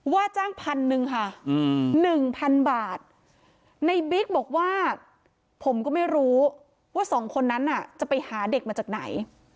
ว่าจ้างพันหนึ่งค่ะหนึ่งพันบาทในบิ๊กบอกว่าผมก็ไม่รู้ว่าสองคนนั้นจะไปหาเด็กมาจากไหน